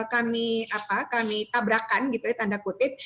kami tabrakan gitu ya tanda kutip